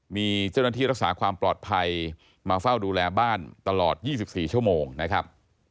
มีเจ้าหน้าที่รักษาความปลอดภัยมาเฝ้าดูแลบ้านตลอด๒๔ชั่วโมงนะครับ